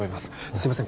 すいません